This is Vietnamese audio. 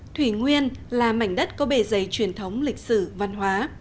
thủy nguyên là mảnh đất có bề dày truyền thống lịch sử văn hóa